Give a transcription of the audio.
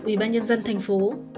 ubnd thành phố